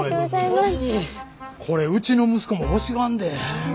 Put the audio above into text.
これうちの息子も欲しがんで。